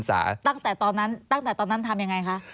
อ่าอ่าตั้งแต่ตอนนั้นทำยังไงคะ